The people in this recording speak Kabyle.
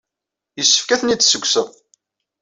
Yessefk ad ten-id-tessukksed.